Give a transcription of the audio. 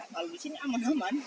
kalau di sini aman aman